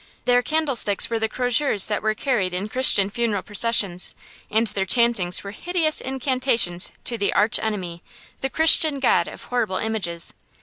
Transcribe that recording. Their candlesticks were the crosiers that were carried in Christian funeral processions, and their chantings were hideous incantations to the arch enemy, the Christian God of horrible images.